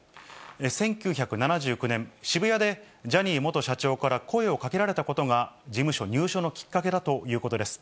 １９７９年、渋谷でジャニー元社長から声をかけられたことが事務所入所のきっかけだということです。